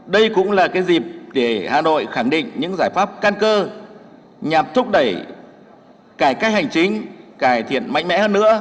đây cũng là cái dịp để hà nội khẳng định những giải pháp căn cơ nhằm thúc đẩy cải cách hành chính cải thiện mạnh mẽ hơn nữa